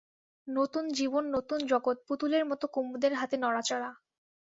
নতুন জীবন, নতুন জগৎ, পুতুলের মতো কুমুদের হাতে নড়াচড়া।